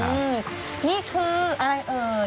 นี่คืออะไรเอ่ย